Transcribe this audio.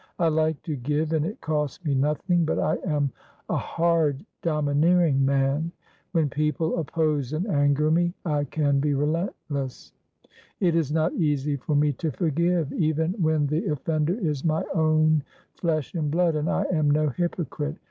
I like to give and it costs me nothing, but I am a hard, domineering man; when people oppose and anger me, I can be relentless; it is not easy for me to forgive, even when the offender is my own flesh and blood, and I am no hypocrite.